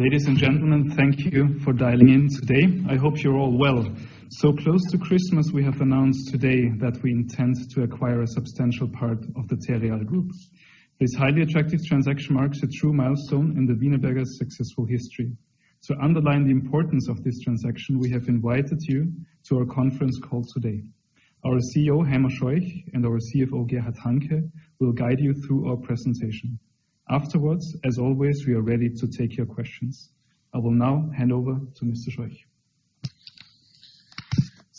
Ladies and gentlemen, thank you for dialing in today. I hope you're all well. Close to Christmas, we have announced today that we intend to acquire a substantial part of the Terreal Group. This highly attractive transaction marks a true milestone in the Wienerberger's successful history. To underline the importance of this transaction, we have invited you to our conference call today. Our CEO, Heimo Scheuch, and our CFO, Gerhard Hanke, will guide you through our presentation. Afterwards, as always, we are ready to take your questions. I will now hand over to Mr. Scheuch.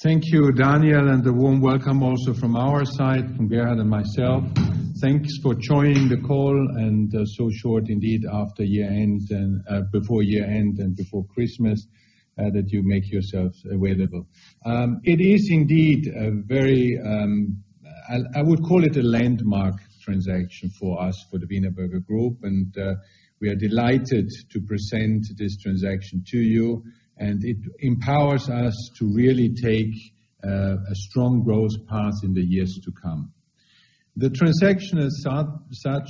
Thank you, Daniel, and a warm welcome also from our side, from Gerhard and myself. Thanks for joining the call and so short indeed after year end and before year end and before Christmas that you make yourselves available. It is indeed a very, I would call it a landmark transaction for us, for the Wienerberger Group, and we are delighted to present this transaction to you, and it empowers us to really take a strong growth path in the years to come. The transaction as such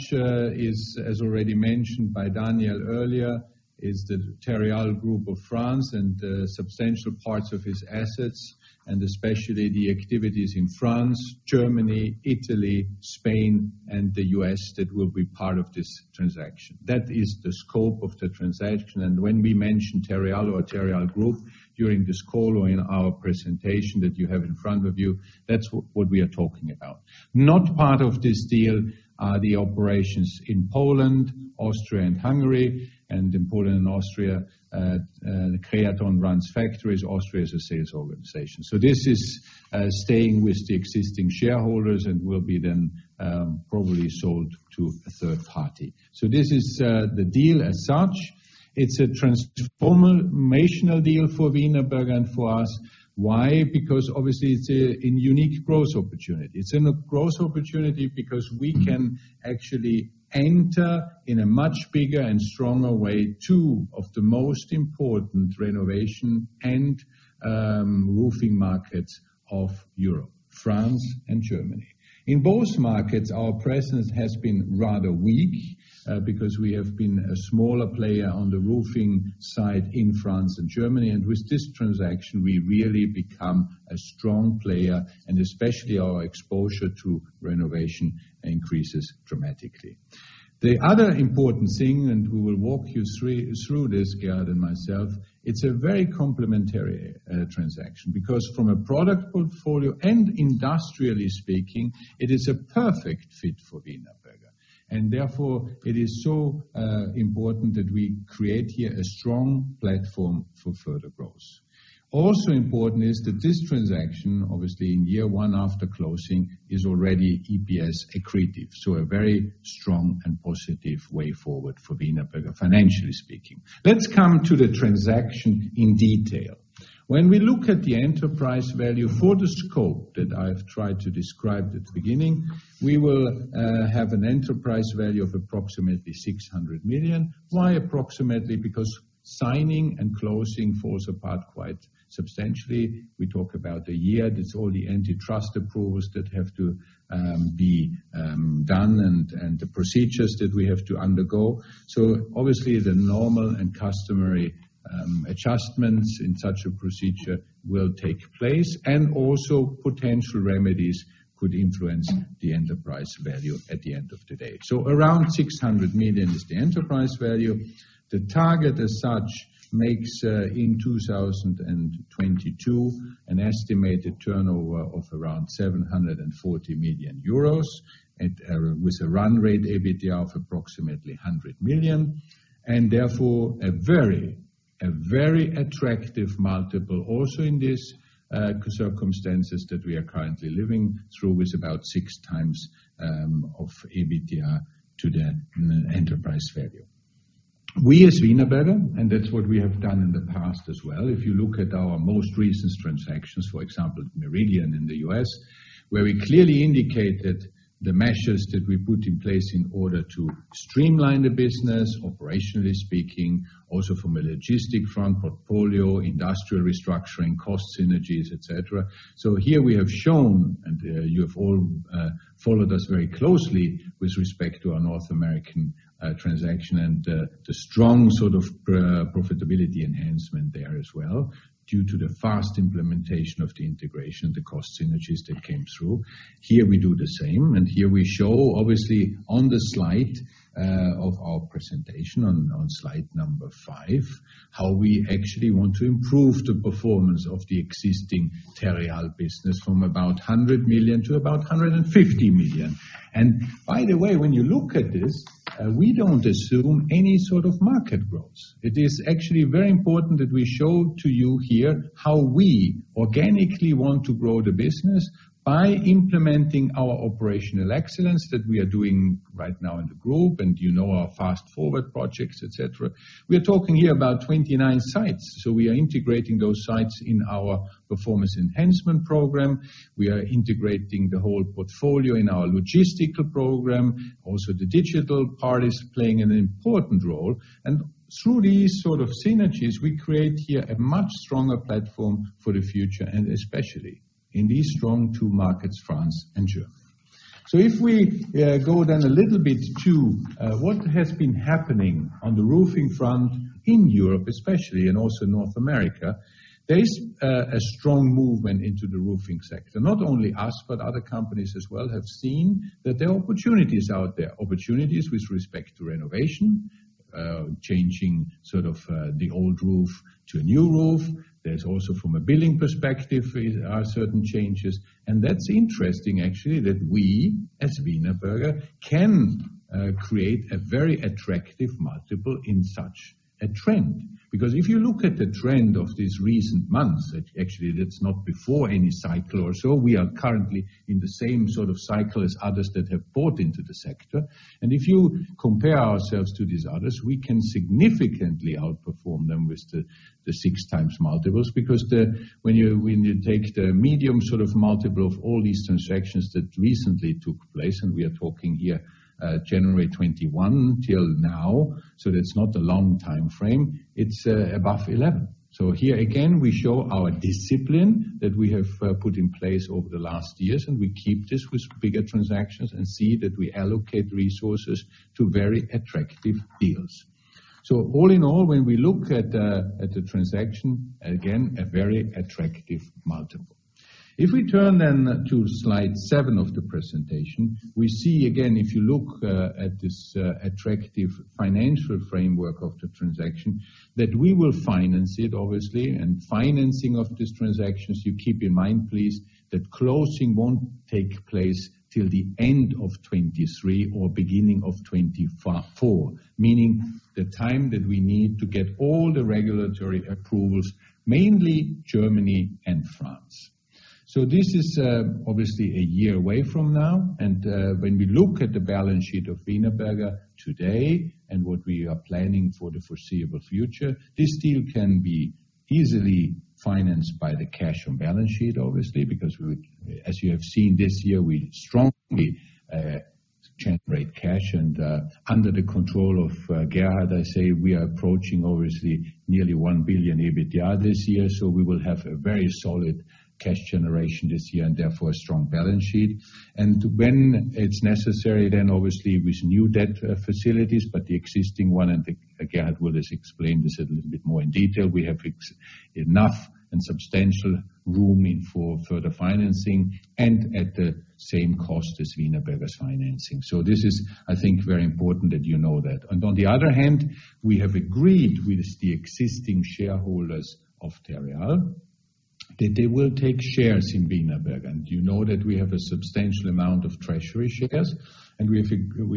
is, as already mentioned by Daniel earlier, the Terreal Group of France and substantial parts of its assets, and especially the activities in France, Germany, Italy, Spain, and the U.S. that will be part of this transaction. That is the scope of the transaction. When we mention Terreal or Terreal Group during this call or in our presentation that you have in front of you, that's what we are talking about. Not part of this deal are the operations in Poland, Austria, and Hungary. In Poland and Austria, Creaton runs factories. Austria is a sales organization. This is, staying with the existing shareholders and will be then, probably sold to a third party. This is, the deal as such. It's a transformational deal for Wienerberger and for us. Why? Because obviously it's an unique growth opportunity. It's a growth opportunity because we can actually enter in a much bigger and stronger way two of the most important renovation and roofing markets of Europe, France and Germany. In both markets, our presence has been rather weak, because we have been a smaller player on the roofing side in France and Germany. With this transaction, we really become a strong player, and especially our exposure to renovation increases dramatically. The other important thing, and we will walk you through this, Gerhard and myself, it's a very complementary transaction because from a product portfolioand industrially speaking, it is a perfect fit for Wienerberger. Therefore, it is so important that we create here a strong platform for further growth. Also important is that this transaction, obviously in year one after closing, is already EPS accretive, so a very strong and positive way forward for Wienerberger, financially speaking. Let's come to the transaction in detail. When we look at the enterprise value for the scope that I've tried to describe at the beginning, we will have an enterprise value of approximately 600 million. Why approximately? Because signing and closing falls apart quite substantially. We talk about a year. That's all the antitrust approvals that have to be done and the procedures that we have to undergo. Obviously the normal and customary adjustments in such a procedure will take place, and also potential remedies could influence the enterprise value at the end of the day. Around 600 million is the enterprise value. The target as such makes in 2022 an estimated turnover of around 740 million euros with a run rate EBITDA of approximately 100 million, and therefore a very attractive multiple also in these circumstances that we are currently living through with about 6x of EBITDA to the enterprise value. We as Wienerberger, that's what we have done in the past as well. If you look at our most recent transactions, for example, Meridian in the U.S., where we clearly indicated the measures that we put in place in order to streamline the business, operationally speaking, also from a logistic front, portfolio, industrial restructuring, cost synergies, et cetera. Here we have shown, you have all followed us very closely with respect to our North American transaction and the strong sort of profitability enhancement there as well due to the fast implementation of the integration, the cost synergies that came through. Here we do the same, here we show, obviously, on the slide of our presentation on slide 5, how we actually want to improve the performance of the existing Terreal business from about 100 million to about 150 million. By the way, when you look at this, we don't assume any sort of market growth. It is actually very important that we show to you here how we organically want to grow the business by implementing our operational excellence that we are doing right now in the group and you know our Fast Forward projects, et cetera. We are talking here about 29 sites. We are integrating those sites in our performance enhancement program. We are integrating the whole portfolio in our logistical program. Also, the digital part is playing an important role. Through these sort of synergies, we create here a much stronger platform for the future, and especially in these strong two markets, France and Germany. If we go then a little bit to what has been happening on the roofing front in Europe especially, and also North America. There is a strong movement into the roofing sector. Not only us, but other companies as well, have seen that there are opportunities out there. Opportunities with respect to renovation, changing the old roof to a new roof. There's also from a building perspective, there are certain changes. That's interesting actually, that we as Wienerberger can create a very attractive multiple in such a trend. If you look at the trend of these recent months, that actually that's not before any cycle or so, we are currently in the same sort of cycle as others that have bought into the sector. If you compare ourselves to these others, we can significantly outperform them with the 6x multiples. Because when you take the medium sort of multiple of all these transactions that recently took place, we are talking here, January 21 till now, that's not a long time frame, it's above 11. Here again, we show our discipline that we have put in place over the last years, and we keep this with bigger transactions and see that we allocate resources to very attractive deals. All in all, when we look at the transaction, again, a very attractive multiple. If we turn then to slide 7 of the presentation, we see again, if you look at this attractive financial framework of the transaction, that we will finance it obviously. Financing of this transactions, you keep in mind please, that closing won't take place till the end of 2023 or beginning of 2024. Meaning the time that we need to get all the regulatory approvals, mainly Germany and France. This is obviously a year away from now. When we look at the balance sheet of Wienerberger today and what we are planning for the foreseeable future, this deal can be easily financed by the cash and balance sheet. Obviously, because we would, as you have seen this year, we strongly generate cash. Under the control of Gerhard, I say we are approaching obviously nearly 1 billion EBITDA this year. We will have a very solid cash generation this year and therefore a strong balance sheet. When it's necessary then obviously with new debt facilities, but the existing one, and Gerhard will explain this a little bit more in detail. We have enough and substantial room in for further financing and at the same cost as Wienerberger's financing. This is, I think, very important that you know that. On the other hand, we have agreed with the existing shareholders of Terreal that they will take shares in Wienerberger. You know that we have a substantial amount of treasury shares, and we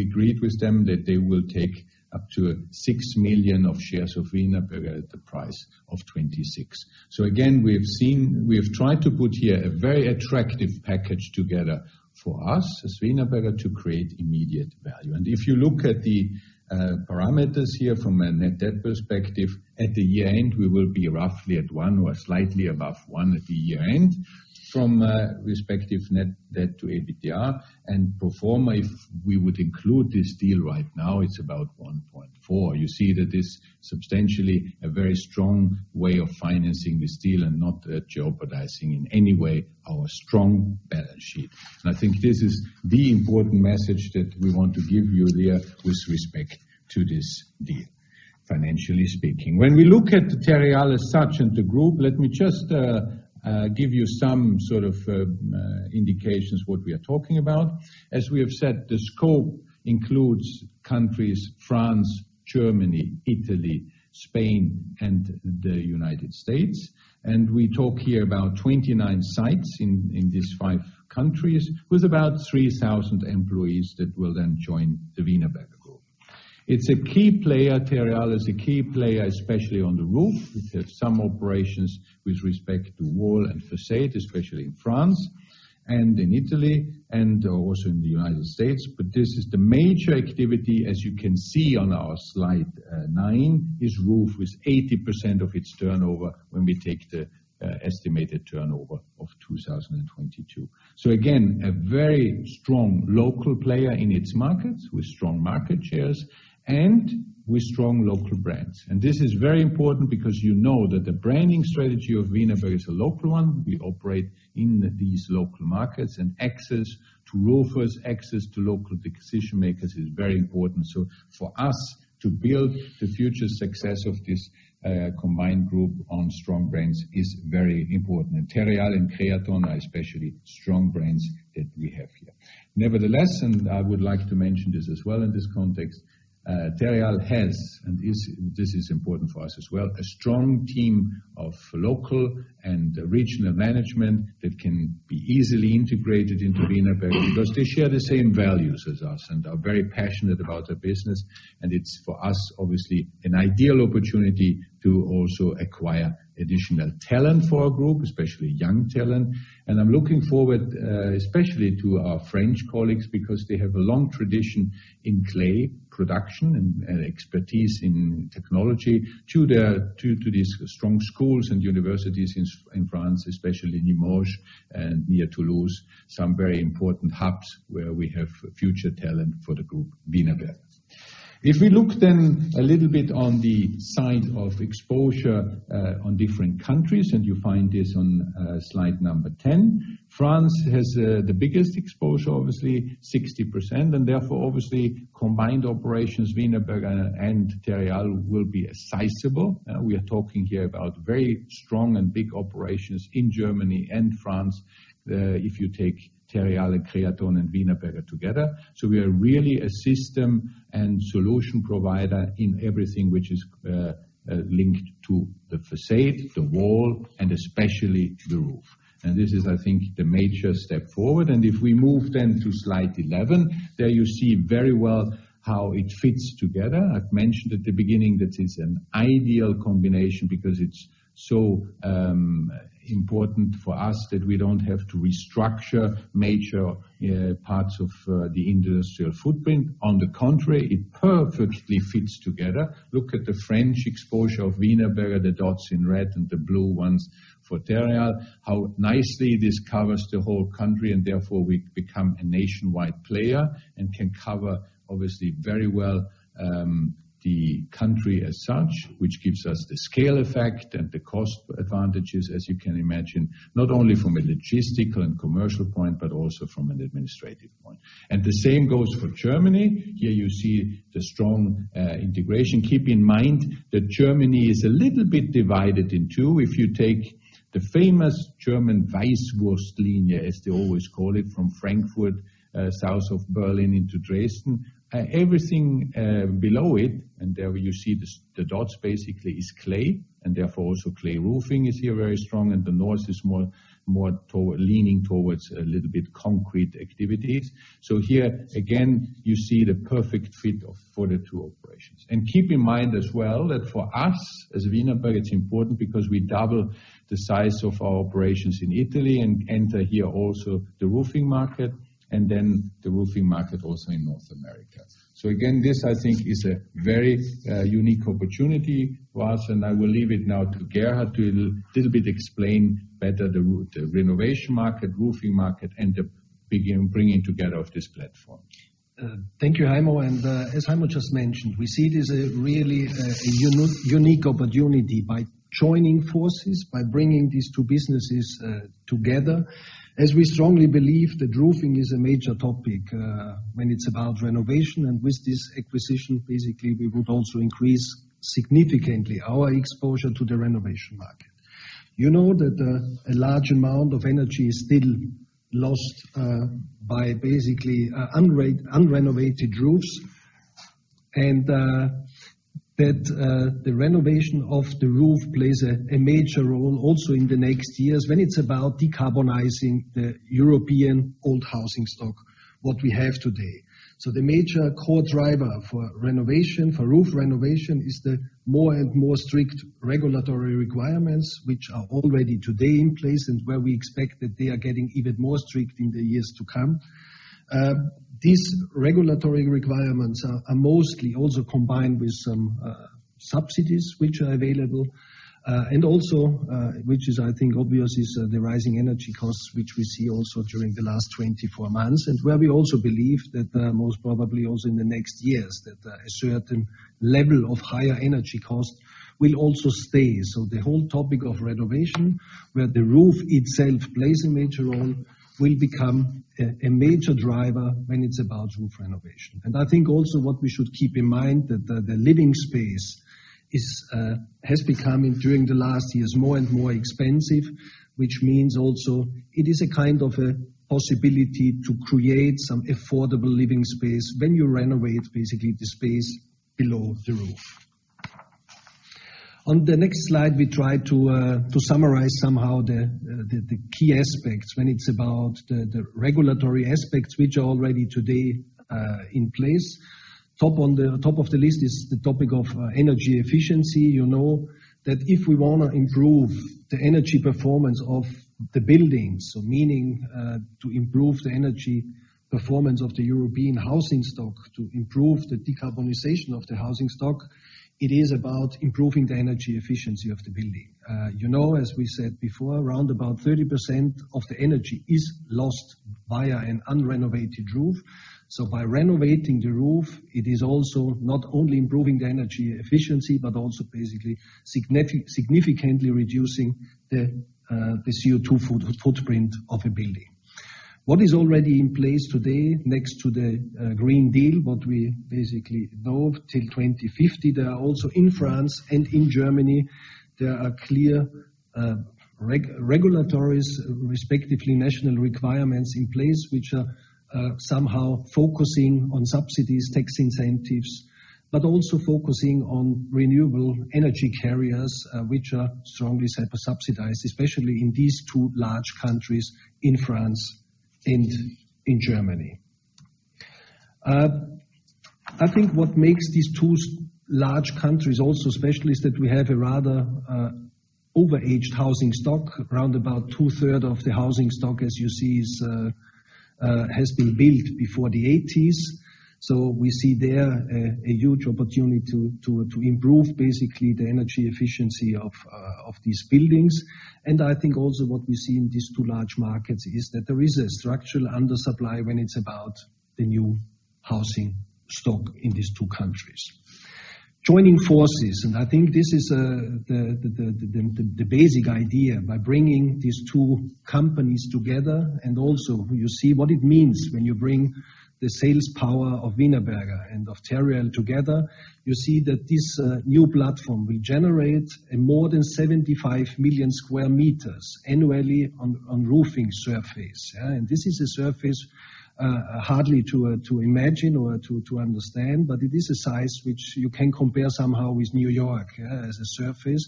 agreed with them that they will take up to 6 million shares of Wienerberger at the price of 26. Again, we have tried to put here a very attractive package together for us as Wienerberger to create immediate value. If you look at the parameters here from a net debt perspective, at the year-end, we will be roughly at 1 or slightly above 1 at the year-end from respective net debt to EBITDA. Pro forma if we would include this deal right now it's about 1.4. You see that it's substantially a very strong way of financing this deal and not jeopardizing in any way our strong balance sheet. I think this is the important message that we want to give you there with respect to this deal, financially speaking. When we look at Terreal as such and the group, let me just give you some sort of indications what we are talking about. As we have said, the scope includes countries France, Germany, Italy, Spain, and the United States. We talk here about 29 sites in these five countries with about 3,000 employees that will then join the Wienerberger Group. It's a key player. Terreal is a key player, especially on the roof. It has some operations with respect to wall and facade, especially in France and in Italy and also in the United States. This is the major activity, as you can see on our slide 9. Is roof with 80% of its turnover when we take the estimated turnover of 2022. Again, a very strong local player in its markets with strong market shares and with strong local brands. This is very important because you know that the branding strategy of Wienerberger is a local one. We operate in these local markets. Access to roofers, access to local decision makers is very important. For us to build the future success of this combined group on strong brands is very important. Terreal and CREATON are especially strong brands that we have here. Nevertheless, I would like to mention this as well in this context, Terreal has and is, this is important for us as well, a strong team of local and regional management that can be easily integrated into Wienerberger because they share the same values as us and are very passionate about their business. It's for us, obviously, an ideal opportunity to also acquire additional talent for our group, especially young talent. I'm looking forward, especially to our French colleagues, because they have a long tradition in clay production and expertise in technology due to these strong schools and universities in France, especially in Limoges and near Toulouse. Some very important hubs where we have future talent for the group, Wienerberger. If we look then a little bit on the side of exposure, on different countries, you find this on slide number 10. France has the biggest exposure, obviously 60%, and therefore obviously combined operations, Wienerberger and Terreal will be sizable. We are talking here about very strong and big operations in Germany and France, if you take Terreal and CREATON and Wienerberger together. We are really a system and solution provider in everything which is linked to the facade, the wall, and especially the roof. This is, I think, the major step forward. If we move then to slide 11, there you see very well how it fits together. I've mentioned at the beginning that is an ideal combination because it's so important for us that we don't have to restructure major parts of the industrial footprint. On the contrary, it perfectly fits together. Look at the French exposure of Wienerberger, the dots in red and the blue ones for Terreal, how nicely this covers the whole country, and therefore we become a nationwide player and can cover obviously very well, the country as such, which gives us the scale effect and the cost advantages, as you can imagine, not only from a logistical and commercial point, but also from an administrative point. The same goes for Germany. Here you see the strong integration. Keep in mind that Germany is a little bit divided in two. If you take the famous German Weißwurstlinie, as they always call it, from Frankfurt south of Berlin into Dresden. Everything below it, and there you see the dots basically is clay, and therefore also clay roofing is here very strong, and the north is more leaning towards a little bit concrete activities. Here again, you see the perfect fit of, for the two operations. Keep in mind as well that for us, as Wienerberger, it's important because we double the size of our operations in Italy and enter here also the roofing market, and then the roofing market also in North America. Again, this I think is a very unique opportunity for us, and I will leave it now to Gerhard to a little bit explain better the renovation market, roofing market, and bringing together of these platforms. Thank you, Heimo. As Heimo just mentioned, we see it as a really a unique opportunity by joining forces, by bringing these two businesses together, as we strongly believe that roofing is a major topic when it's about renovation. With this acquisition, basically, we would also increase significantly our exposure to the renovation market. You know that a large amount of energy is still lost by basically unrenovated roofs, and that the renovation of the roof plays a major role also in the next years when it's about decarbonizing the European old housing stock, what we have today. The major core driver for renovation, for roof renovation, is the more and more strict regulatory requirements, which are already today in place, and where we expect that they are getting even more strict in the years to come. These regulatory requirements are mostly also combined with some subsidies which are available, and also, which is I think obvious, is the rising energy costs, which we see also during the last 24 months, and where we also believe that, most probably also in the next years, that a certain level of higher energy costs will also stay. The whole topic of renovation, where the roof itself plays a major role, will become a major driver when it's about roof renovation. I think also what we should keep in mind that the living space is has become, during the last years, more and more expensive, which means also it is a kind of a possibility to create some affordable living space when you renovate basically the space below the roof. On the next slide, we try to summarize somehow the key aspects when it's about the regulatory aspects which are already today in place. Top of the list is the topic of energy efficiency. You know that if we wanna improve the energy performance of the buildings, so meaning to improve the energy performance of the European housing stock, to improve the decarbonization of the housing stock, it is about improving the energy efficiency of the building. You know, as we said before, around about 30% of the energy is lost via an unrenovated roof. By renovating the roof, it is also not only improving the energy efficiency, but also basically significantly reducing the CO2 footprint of a building. What is already in place today next to the Green Deal, what we basically know till 2050, there are also in France and in Germany, there are clear regulatory, respectively, national requirements in place, which are somehow focusing on subsidies, tax incentives, but also focusing on renewable energy carriers, which are strongly subsidized, especially in these two large countries, in France and in Germany. I think what makes these two large countries also special is that we have a rather overaged housing stock. Around about two-thirds of the housing stock, as you see, is has been built before the eighties. We see there a huge opportunity to improve basically the energy efficiency of these buildings. I think also what we see in these two large markets is that there is a structural under supply when it's about the new housing stock in these two countries. Joining forces, I think this is the basic idea by bringing these two companies together, and also you see what it means when you bring the sales power of Wienerberger and of Terreal together. You see that this new platform will generate a more than 75 million square meters annually on roofing surface, yeah. This is a surface hardly to imagine or to understand. It is a size which you can compare somehow with New York, yeah, as a surface.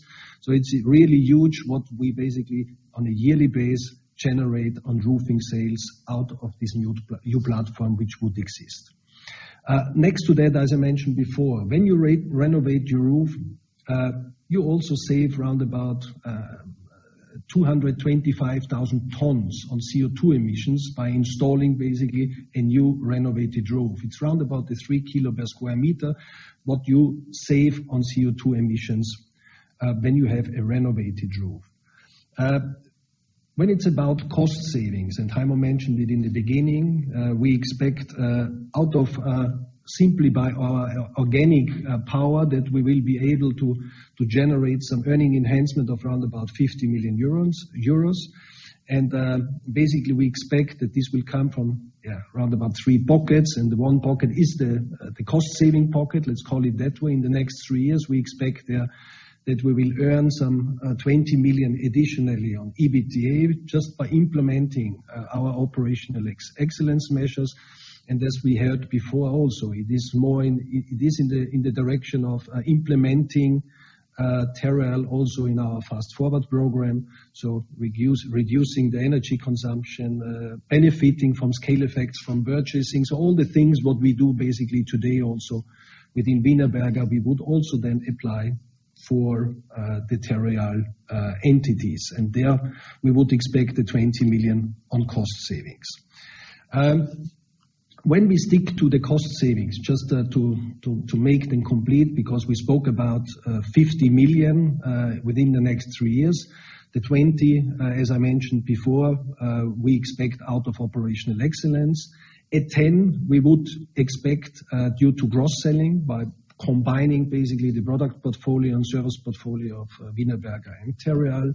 It's really huge what we basically, on a yearly base, generate on roofing sales out of this new platform which would exist. Next to that, as I mentioned before, when you renovate your roof, you also save round about 225,000 tons on CO2 emissions by installing basically a new renovated roof. It's round about the 3 kilo per square meter what you save on CO2 emissions when you have a renovated roof. When it's about cost savings, and Heimo mentioned it in the beginning, we expect out of simply by our organic power, that we will be able to generate some earning enhancement of round about 50 million euros. Basically, we expect that this will come from round about 3 pockets. 1 pocket is the cost saving pocket, let's call it that way. In the next 3 years, we expect that we will earn some 20 million additionally on EBITDA just by implementing our operational excellence measures. As we heard before also, it is in the direction of implementing Terreal also in our Fast Forward program. Reducing the energy consumption, benefiting from scale effects from purchasing. All the things what we do basically today also within Wienerberger, we would also then apply for the Terreal entities. There, we would expect the 20 million on cost savings. When we stick to the cost savings, just to make them complete, because we spoke about 50 million within the next three years. The 2 million, as I mentioned before, we expect out of operational excellence. At 10 million, we would expect due to cross-selling by combining basically the product portfolio and service portfolio of Wienerberger and Terreal,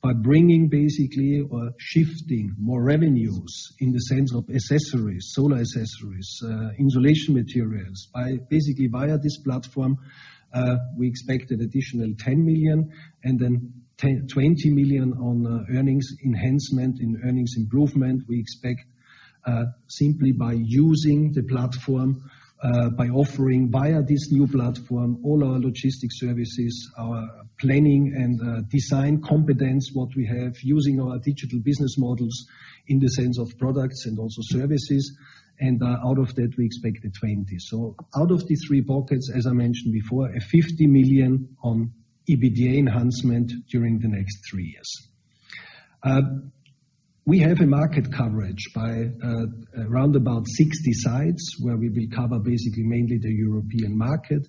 by bringing basically or shifting more revenues in the sense of accessories, solar accessories, insulation materials. By basically via this platform, we expect an additional 10 million and then 10 million-20 million on earnings enhancement and earnings improvement we expect simply by using the platform, by offering via this new platform all our logistics services, our planning and design competence, what we have using our digital business models in the sense of products and also services. Out of that, we expect out of these three pockets, as I mentioned before, 50 million on EBITDA enhancement during the next three years. We have a market coverage by around about 60 sites where we will cover basically mainly the European market.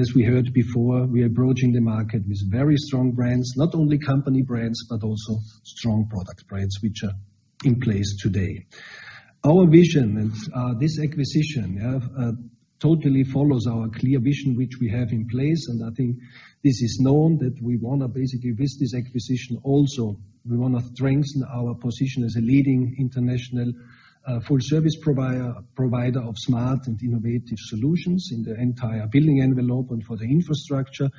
As we heard before, we are approaching the market with very strong brands, not only company brands, but also strong product brands which are in place today. Our vision, this acquisition totally follows our clear vision which we have in place. I think this is known that we wanna basically with this acquisition also, we wanna strengthen our position as a leading international full service provider of smart and innovative solutions in the entire building envelope and for the infrastructure.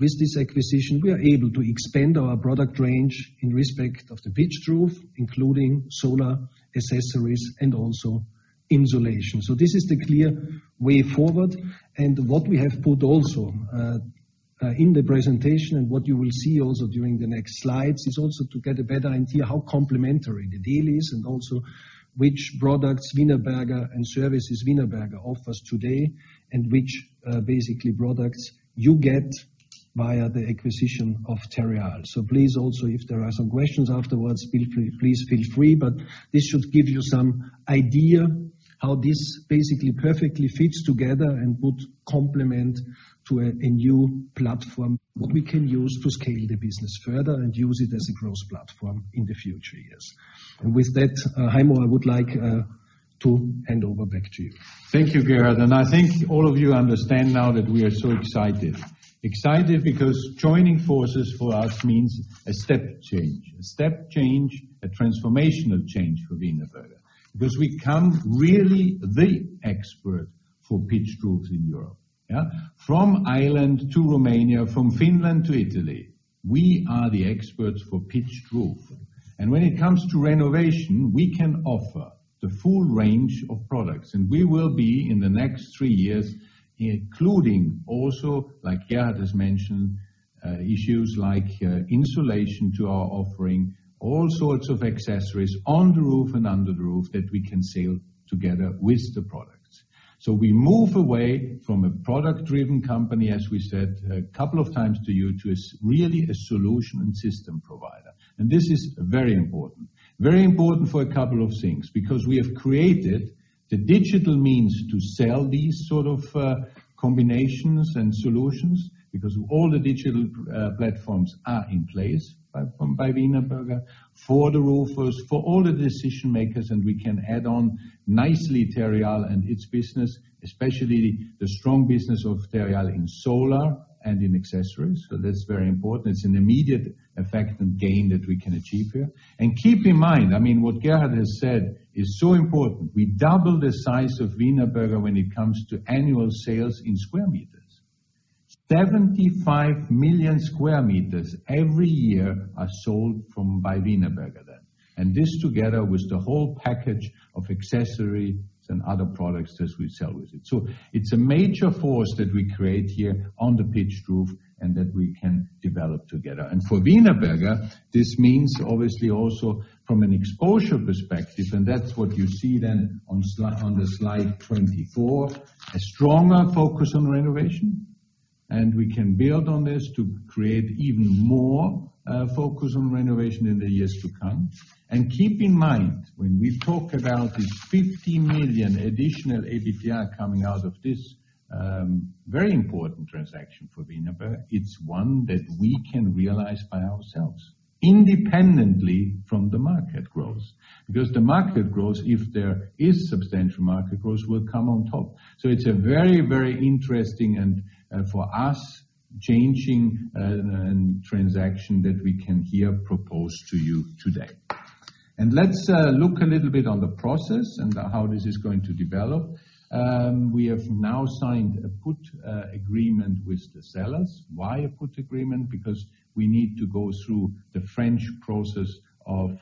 With this acquisition, we are able to expand our product range in respect of the pitched roof, including solar accessories and also insulation. This is the clear way forward. What we have put also in the presentation and what you will see also during the next slides is also to get a better idea how complementary the deal is and also which products Wienerberger and services Wienerberger offers today, and which basically products you get via the acquisition of Terreal. Please also, if there are some questions afterwards, please feel free. This should give you some idea how this basically perfectly fits together and would complement to a new platform what we can use to scale the business further and use it as a growth platform in the future, yes. With that, Heimo, I would like to hand over back to you. Thank you, Gerhard. I think all of you understand now that we are so excited. Excited because joining forces for us means a step change, a transformational change for Wienerberger. Because we come really the expert for pitched roofs in Europe, yeah. From Ireland to Romania, from Finland to Italy, we are the experts for pitched roof. When it comes to renovation, we can offer the full range of products, and we will be in the next three years, including also, like Gerhard has mentioned, issues like insulation to our offering, all sorts of accessories on the roof and under the roof that we can sell together with the products. We move away from a product-driven company, as we said a couple of times to you, to a really a solution and system provider. This is very important. Very important for a couple of things, because we have created the digital means to sell these sort of combinations and solutions because all the digital platforms are in place by Wienerberger for the roofers, for all the decision makers, we can add on nicely Terreal and its business, especially the strong business of Terreal in solar and in accessories. That's very important. It's an immediate effect and gain that we can achieve here. Keep in mind, I mean what Gerhard has said is so important. We double the size of Wienerberger when it comes to annual sales in square meters. 75 million square meters every year are sold by Wienerberger then. This together with the whole package of accessories and other products as we sell with it. It's a major force that we create here on the pitched roof and that we can develop together. For Wienerberger, this means obviously also from an exposure perspective, and that's what you see then on the slide 24, a stronger focus on renovation, and we can build on this to create even more focus on renovation in the years to come. Keep in mind when we talk about the 50 million additional EBITDA coming out of this very important transaction for Wienerberger, it's one that we can realize by ourselves independently from the market growth. The market growth, if there is substantial market growth, will come on top. It's a very, very interesting and for us, changing transaction that we can here propose to you today. Let's look a little bit on the process and how this is going to develop. We have now signed a put agreement with the sellers. Why a put agreement? Because we need to go through the French process of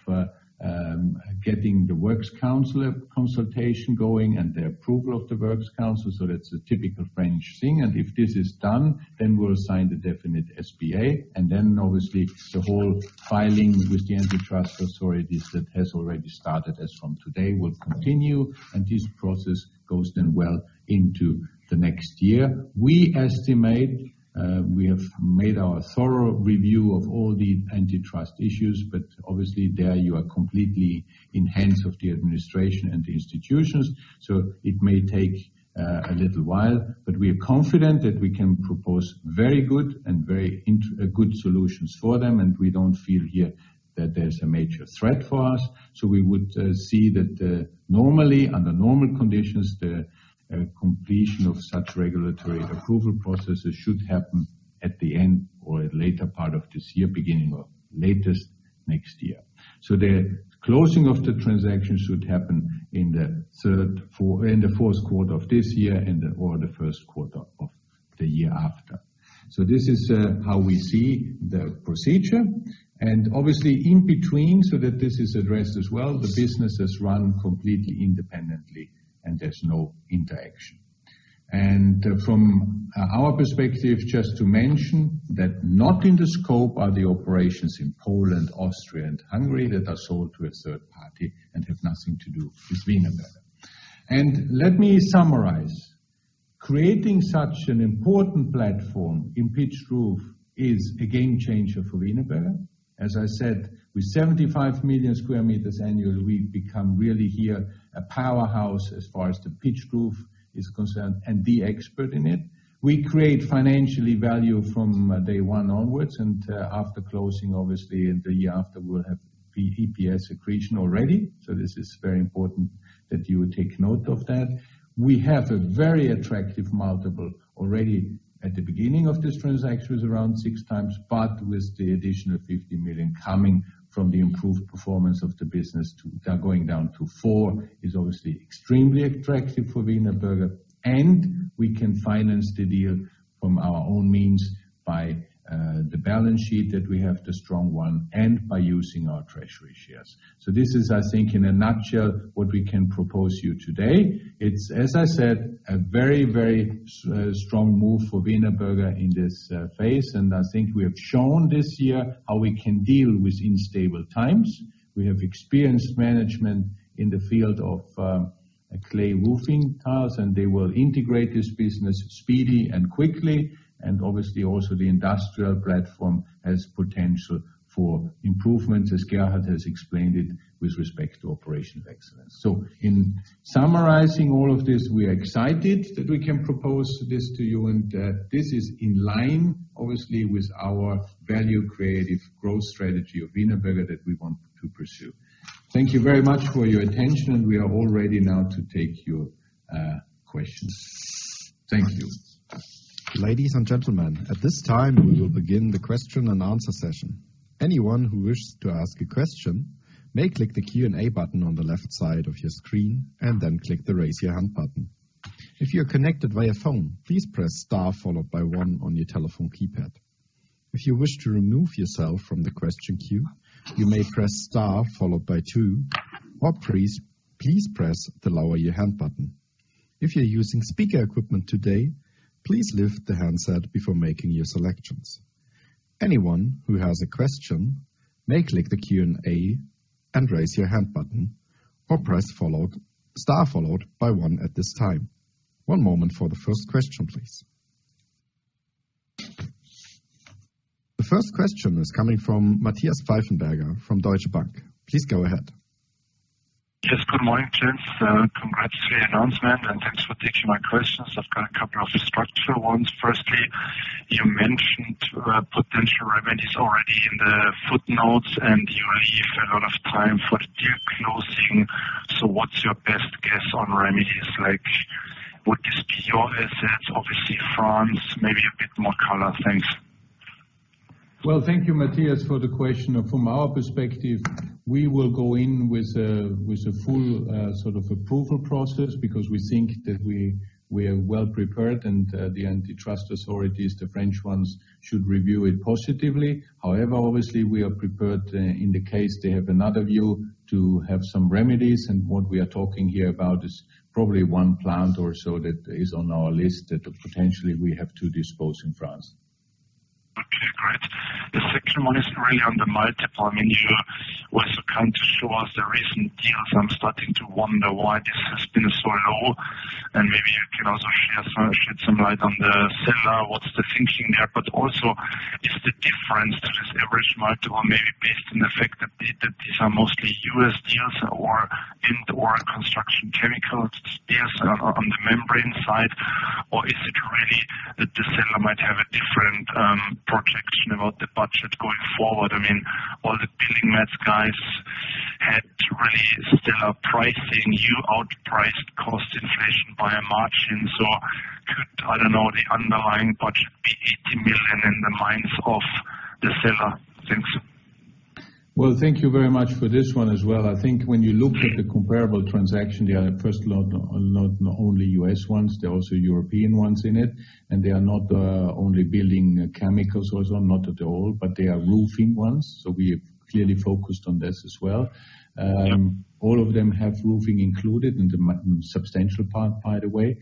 getting the works council consultation going and the approval of the works council. That's a typical French thing. If this is done, then we'll sign the definite SPA. Then, obviously, the whole filing with the antitrust authorities that has already started as from today will continue, and this process goes then well into the next year. We estimate, we have made our thorough review of all the antitrust issues, but obviously there you are completely in hands of the administration and the institutions, so it may take a little while. We are confident that we can propose very good and very good solutions for them, and we don't feel here that there's a major threat for us. We would see that normally, under normal conditions, the completion of such regulatory approval processes should happen at the end or at later part of this year, beginning of latest next year. The closing of the transaction should happen in the 4th quarter of this year and the, or the 1st quarter of the year after. This is how we see the procedure. Obviously in between, so that this is addressed as well, the business is run completely independently and there's no interaction. From our perspective, just to mention that not in the scope are the operations in Poland, Austria, and Hungary that are sold to a third party and have nothing to do with Wienerberger. Let me summarize. Creating such an important platform in pitched roof is a game changer for Wienerberger. As I said, with 75 million square meters annually, we've become really here a powerhouse as far as the pitched roof is concerned and the expert in it. We create financially value from day one onwards, and after closing obviously and the year after, we'll have the EPS accretion already. This is very important that you will take note of that. We have a very attractive multiple already at the beginning of this transaction with around 6x. With the additional 50 million coming from the improved performance of the business to going down to 4 is obviously extremely attractive for Wienerberger. We can finance the deal from our own means by the balance sheet that we have, the strong one, and by using our treasury shares. This is, I think, in a nutshell what we can propose you today. It's, as I said, a very strong move for Wienerberger in this phase. I think we have shown this year how we can deal with instable times. We have experienced management in the field of clay roofing tiles, and they will integrate this business speedy and quickly. Obviously also the industrial platform has potential for improvement, as Gerhard has explained it with respect to operational excellence. In summarizing all of this, we are excited that we can propose this to you, and this is in line, obviously, with our value creative growth strategy of Wienerberger that we want to pursue. Thank you very much for your attention. We are all ready now to take your questions. Thank you. Ladies and gentlemen, at this time, we will begin the question and answer session. Anyone who wishes to ask a question may click the Q&A button on the left side of your screen and then click the Raise Your Hand button. If you're connected via phone, please press star followed by one on your telephone keypad. If you wish to remove yourself from the question queue, you may press star followed by two or please press the Lower Your Hand button. If you're using speaker equipment today, please lift the handset before making your selections. Anyone who has a question may click the Q&A and Raise Your Hand button or press star followed by one at this time. One moment for the first question, please. The first question is coming from Matthias Pfeifenberger from Deutsche Bank. Please go ahead. Yes. Good morning, gents. Congrats for your announcement, thanks for taking my questions. I've got a couple of structural ones. Firstly, you mentioned, potential remedies already in the footnotes, you leave a lot of time for the deal closing. What's your best guess on remedies? Like, would this be your asset? Obviously France, maybe a bit more color? Thanks. Well, thank you, Matthias, for the question. From our perspective, we will go in with a full sort of approval process because we think that we are well prepared and the antitrust authorities, the French ones, should review it positively. However, obviously we are prepared in the case they have another view to have some remedies. What we are talking here about is probably one plant or so that is on our list that potentially we have to dispose in France. Okay, great. The second one is really on the multiple. I mean, you were so kind to show us the recent deals. I'm starting to wonder why this has been so low, and maybe you can also shed some light on the seller. What's the thinking there? Also, is the difference to this average multiple maybe based on the fact that these are mostly U.S. deals or indoor construction chemicals deals on the membrane side? Is it really that the seller might have a different projection about the budget going forward? I mean, all the building mats guys had really stellar pricing. You outpriced cost inflation by a margin. Could, I don't know, the underlying budget be 80 million in the minds of the seller? Thanks. Well, thank you very much for this one as well. I think when you look at the comparable transaction, they are first not only U.S. ones, they're also European ones in it. They are not only building chemicals also, not at all, but they are roofing ones. We are clearly focused on this as well. All of them have roofing included in the substantial part, by the way.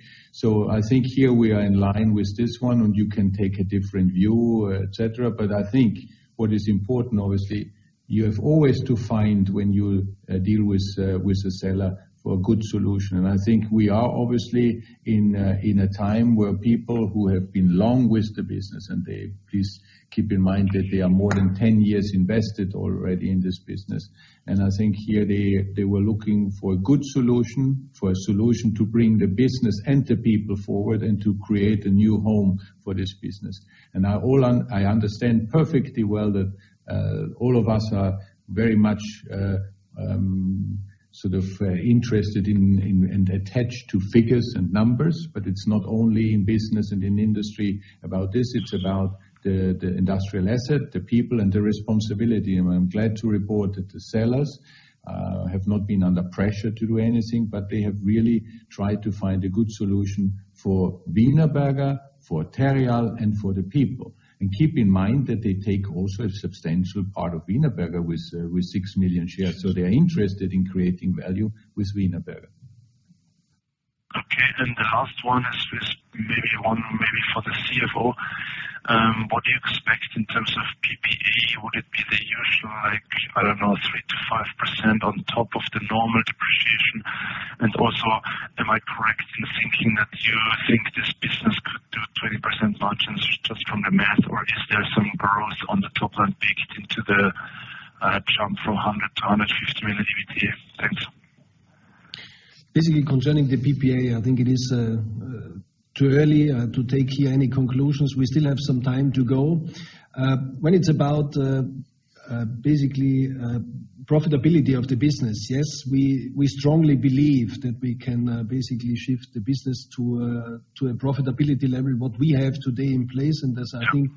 I think here we are in line with this one, and you can take a different view, et cetera. I think what is important, obviously, you have always to find when you deal with with the seller for a good solution. I think we are obviously in a time where people who have been long with the business, and they please keep in mind that they are more than 10 years invested already in this business. I think here they were looking for a good solution, for a solution to bring the business and the people forward and to create a new home for this business. I understand perfectly well that all of us are very much sort of interested in and attached to figures and numbers, but it's not only in business and in industry about this, it's about the industrial asset, the people and the responsibility. I'm glad to report that the sellers have not been under pressure to do anything, but they have really tried to find a good solution for Wienerberger, for Terreal, and for the people. Keep in mind that they take also a substantial part of Wienerberger with 6 million shares. They're interested in creating value with Wienerberger. Okay. The last one is maybe one maybe for the CFO. What do you expect in terms of PPA? Would it be the usual, like, I don't know, 3%-5% on top of the normal depreciation? Am I correct in thinking that you think this business could do 20% margins just from the math? Or is there some growth on the top line baked into the jump from 100 million-150 million EBITDA? Thanks. Basically, concerning the PPA, I think it is too early to take here any conclusions. We still have some time to go. When it's about, basically, profitability of the business, yes, we strongly believe that we can basically shift the business to a profitability level, what we have today in place. As I think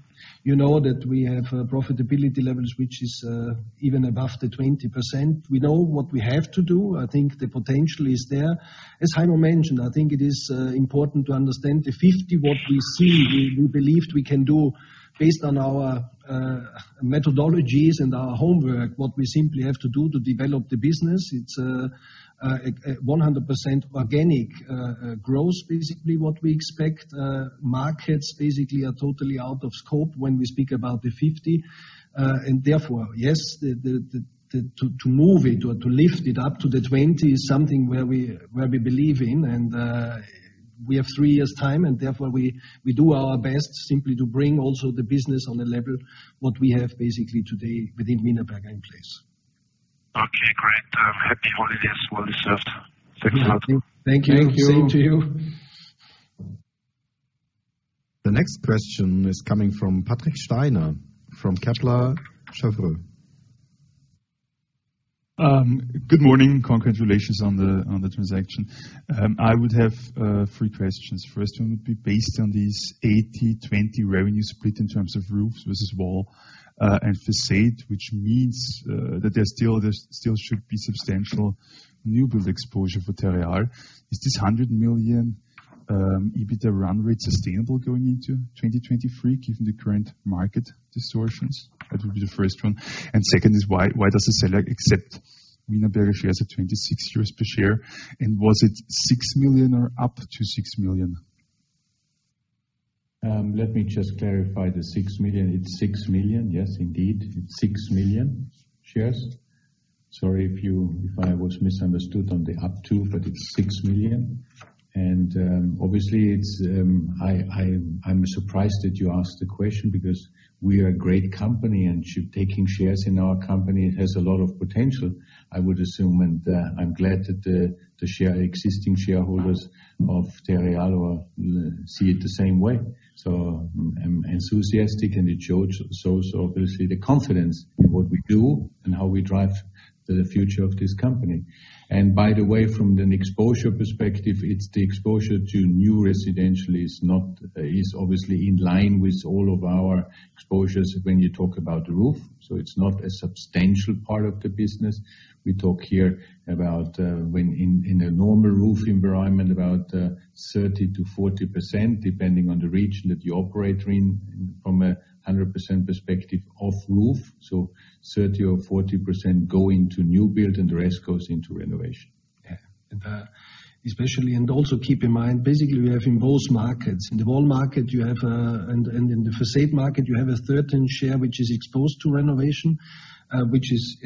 you know that we have profitability levels, which is even above the 20%. We know what we have to do. I think the potential is there. As Heimo mentioned, I think it is important to understand the 50 what we see, we believed we can do based on our methodologies and our homework, what we simply have to do to develop the business. It's 100% organic growth, basically, what we expect. Markets basically are totally out of scope when we speak about the 50. Therefore, yes, the, to move it or to lift it up to the 20 is something where we believe in. We have three years' time. Therefore, we do our best simply to bring also the business on a level what we have basically today within Wienerberger in place. Okay, great. Happy holidays. Well deserved. Thanks a lot. Thank you. Thank you. Same to you. The next question is coming from Patrick Steiner, from Kepler Cheuvreux. Good morning. Congratulations on the transaction. I would have three questions. First one would be based on this 80-20 revenue split in terms of roofs versus wall and façade, which means that there still should be substantial new build exposure for Terreal. Is this 100 million EBITDA run rate sustainable going into 2023, given the current market distortions? That would be the first one. Second is why does the seller accept Wienerberger shares at 26 euros per share? Was it 6 million or up to 6 million? Let me just clarify the 6 million. It's 6 million, yes, indeed. It's 6 million shares. Sorry if you, if I was misunderstood on the up to, but it's 6 million. Obviously it's, I'm surprised that you asked the question because we are a great company, and taking shares in our company, it has a lot of potential, I would assume. I'm glad that existing shareholders of Terreal see it the same way. I'm enthusiastic, and it shows also obviously the confidence in what we do and how we drive the future of this company. By the way, from an exposure perspective, it's the exposure to new residential is obviously in line with all of our exposures when you talk about the roof. It's not a substantial part of the business. We talk here about when in a normal roof environment, about 30%-40%, depending on the region that you operate in from a 100% perspective of roof. 30% or 40% go into new build and the rest goes into renovation. Yeah. Especially and also keep in mind, basically we have in both markets. In the wall market you have, and in the facade market, you have a certain share which is exposed to renovation, which is,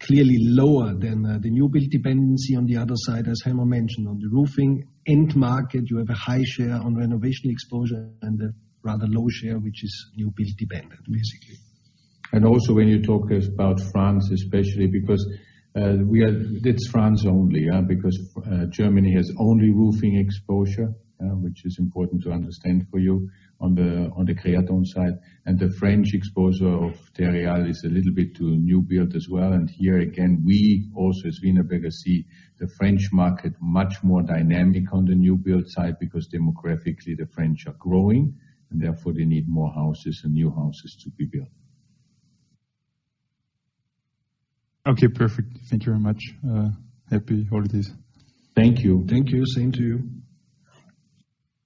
clearly lower than, the new build dependency on the other side, as Heimo mentioned. On the roofing end market, you have a high share on renovation exposure and a rather low share, which is new build dependent, basically. When you talk about France especially because, It's France only, yeah? Because Germany has only roofing exposure, which is important to understand for you on the CREATON side. The French exposure of Terreal is a little bit to new build as well. Here again, we also as Wienerberger see the French market much more dynamic on the new build side because demographically the French are growing, and therefore they need more houses and new houses to be built. Okay, perfect. Thank you very much. happy holidays. Thank you. Thank you. Same to you.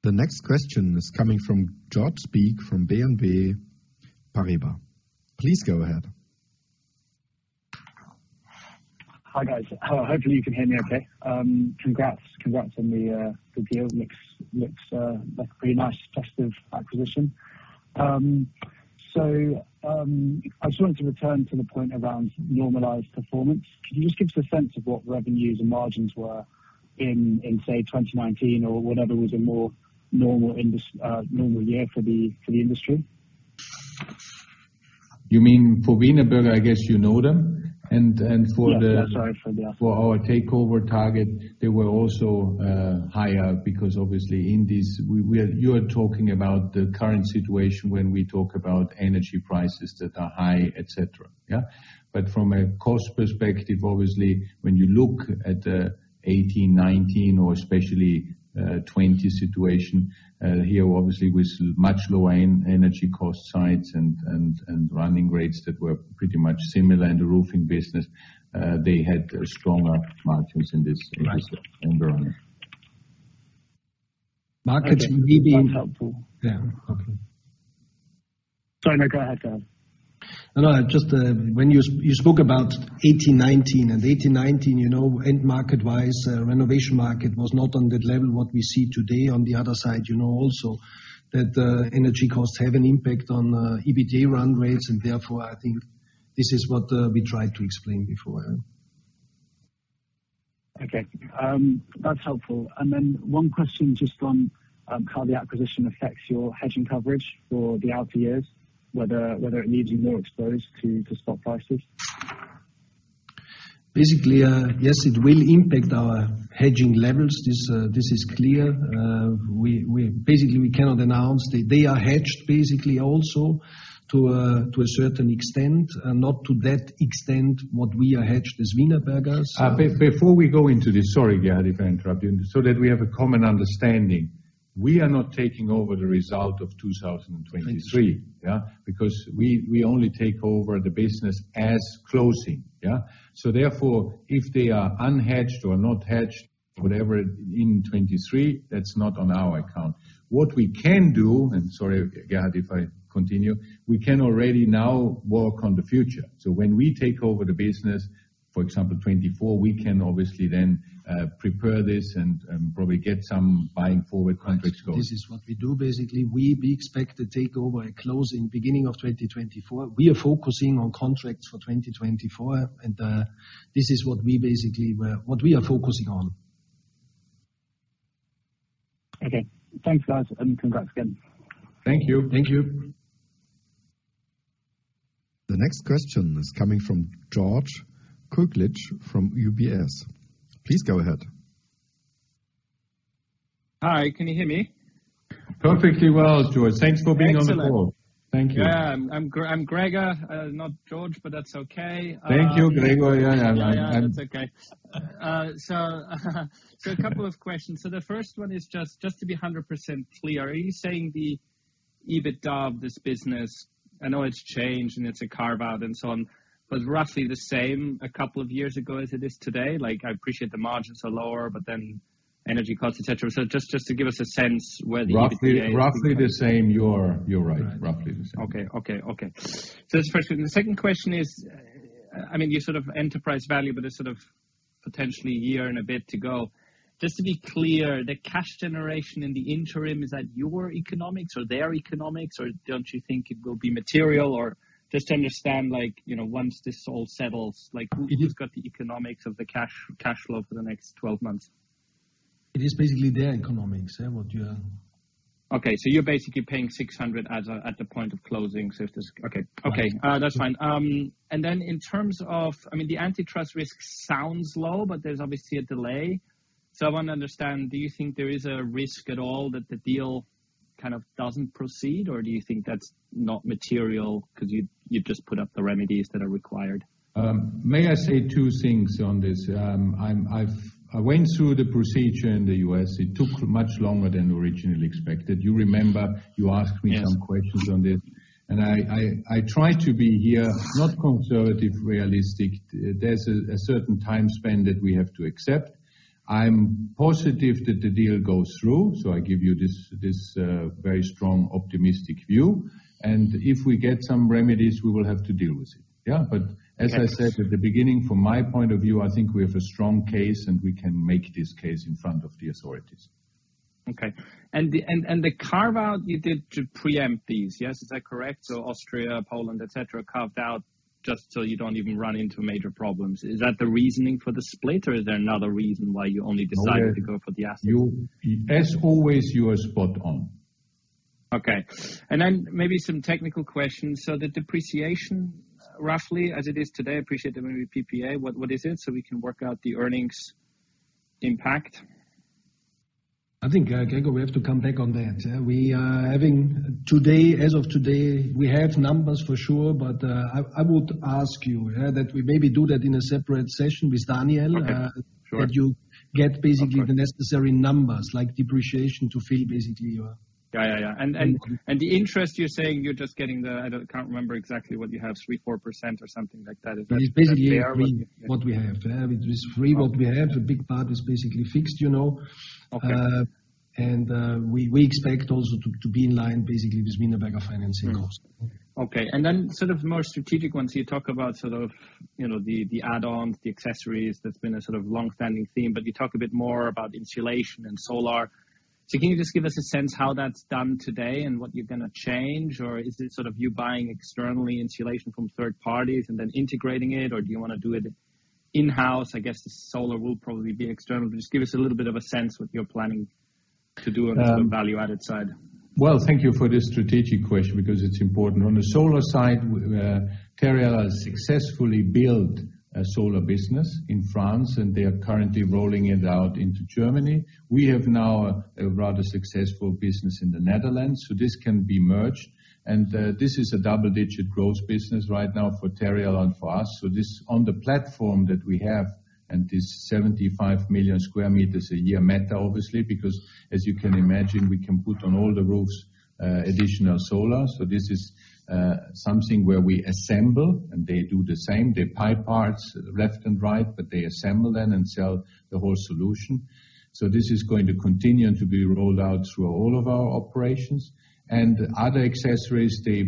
The next question is coming from George Gregory from BNP Paribas. Please go ahead. Hi, guys. Hopefully you can hear me okay. Congrats. Congrats on the deal. Looks like a pretty nice festive acquisition. I just wanted to return to the point around normalized performance. Can you just give us a sense of what revenues and margins were in, say, 2019 or whatever was a more normal normal year for the industry? You mean for Wienerberger, I guess you know them. Yes. Sorry for. For our takeover target, they were also higher because obviously in this You are talking about the current situation when we talk about energy prices that are high, et cetera. From a cost perspective, obviously, when you look at 2018, 2019 or especially, 2020 situation, here obviously with much lower energy cost sides and running rates that were pretty much similar in the roofing business, they had stronger margins in this industry and were running. Markets indeed. That's helpful. Yeah. Okay. Sorry. No, go ahead, Gerhard. No, no. Just, when you spoke about 2018, 2019. 2018, 2019, you know, end market-wise, renovation market was not on that level what we see today. On the other side, you know also that, energy costs have an impact on, EBITDA run rates, and therefore, I think this is what, we tried to explain before. Okay. That's helpful. One question just on how the acquisition affects your hedging coverage for the out years, whether it leaves you more exposed to stock prices? Basically, yes, it will impact our hedging levels. This is clear. We basically cannot announce. They are hedged basically also to a certain extent, not to that extent what we are hedged as Wienerberger. Before we go into this, sorry, Gerhard, if I interrupt you. That we have a common understanding, we are not taking over the result of 2023. Yeah? Because we only take over the business as closing. Yeah? Therefore, if they are unhedged or not hedged, whatever in 2023, that's not on our account. What we can do, and sorry, Gerhard, if I continue, we can already now work on the future. When we take over the business, for example, 2024, we can obviously then prepare this and probably get some buying forward contracts going. Right. This is what we do basically. We expect the takeover at closing beginning of 2024. We are focusing on contracts for 2024, this is what we basically what we are focusing on. Okay. Thanks, guys. Congrats again. Thank you. Thank you. The next question is coming from Gregor Kuglitsch from UBS. Please go ahead. Hi. Can you hear me? Perfectly well, George. Thanks for being on the call. Excellent. Thank you. Yeah. I'm Gregor, not George, but that's okay. Thank you, Gregor. Yeah. Yeah. That's okay. A couple of questions. The first one is just to be 100% clear, are you saying the EBITDA of this business, I know it's changed and it's a carve-out and so on, was roughly the same a couple of years ago as it is today? Like, I appreciate the margins are lower, energy costs, et cetera. Just to give us a sense where the EBITDA-. Roughly the same. You're right. Right. Roughly the same. Okay. Okay. Okay. That's the first question. The second question is, I mean, you sort of enterprise value, but it's sort of Potentially a year and a bit to go. Just to be clear, the cash generation in the interim, is that your economics or their economics? Or don't you think it will be material? Or just to understand, like, you know, once this all settles, like who? It is. who's got the economics of the cash flow for the next 12 months? It is basically their economics, yeah, what you, Okay. You're basically paying 600 at the point of closing. Okay. Okay. Yeah. That's fine. I mean, the antitrust risk sounds low, there's obviously a delay. I wanna understand, do you think there is a risk at all that the deal kind of doesn't proceed, or do you think that's not material 'cause you just put up the remedies that are required? may I say two things on this? I went through the procedure in the U.S., it took much longer than originally expected. You remember, you asked me some questions on this. Yes. I try to be here not conservative, realistic. There's a certain time span that we have to accept. I'm positive that the deal goes through, so I give you this very strong optimistic view. If we get some remedies, we will have to deal with it, yeah? Yes. As I said at the beginning, from my point of view, I think we have a strong case and we can make this case in front of the authorities. Okay. The carve-out you did to preempt these, yes? Is that correct? Austria, Poland, et cetera, carved out just so you don't even run into major problems. Is that the reasoning for the split or is there another reason why you only decided to go for the asset? No, you, as always, you are spot on. Okay. Maybe some technical questions. The depreciation, roughly as it is today, I appreciate there may be PPA, what is it, so we can work out the earnings impact? I think, Gregor, we have to come back on that. Today, as of today, we have numbers for sure, I would ask you, yeah, that we maybe do that in a separate session with Daniel. Okay. Sure. That you get basically the necessary numbers like depreciation to fill basically. Yeah. Yeah. Yeah. The interest you're saying you're just getting the... can't remember exactly what you have, 3%, 4% or something like that. Is that fair? It is basically what we have. Yeah. It is free what we have. A big part is basically fixed, you know. Okay. We expect also to be in line basically with Wienerberger financing costs. Mm-hmm. Okay. Then sort of more strategic ones. You talk about sort of, you know, the add-ons, the accessories, that's been a sort of long-standing theme. You talk a bit more about insulation and solar. Can you just give us a sense how that's done today and what you're gonna change? Is it sort of you buying externally insulation from third parties and then integrating it? Do you wanna do it in-house? I guess the solar will probably be external. Just give us a little bit of a sense what you're planning to do on the value-added side. Well, thank you for this strategic question because it's important. On the solar side, Terreal has successfully built a solar business in France, and they are currently rolling it out into Germany. We have now a rather successful business in the Netherlands, this can be merged. This is a double-digit growth business right now for Terreal and for us. This, on the platform that we have, and this 75 million square meters a year matter obviously, because as you can imagine, we can put on all the roofs, additional solar. This is something where we assemble and they do the same. They buy parts left and right, but they assemble them and sell the whole solution. This is going to continue to be rolled out through all of our operations. Other accessories they